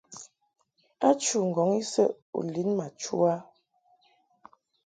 A chû ŋgɔŋ isəʼ u lin ma chu a ?